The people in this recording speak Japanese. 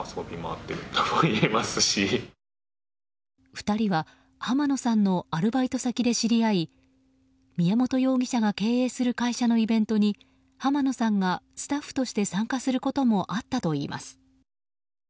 ２人は濱野さんのアルバイト先で知り合い宮本容疑者が経営する会社のイベントに濱野さんがスタッフとして参加することもあったといいます。